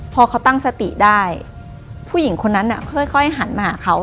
พอเขาตั้งสติได้ผู้หญิงคนนั้นค่อยหันมาหาเขา